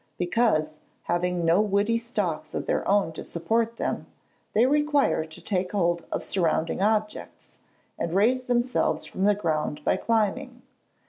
_ Because, having no woody stalks of their own to support them, they require to take hold of surrounding objects, and raise themselves from the ground by climbing.